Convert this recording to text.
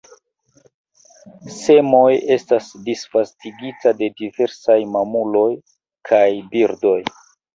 Semoj estas disvastigita de diversaj mamuloj kaj birdoj.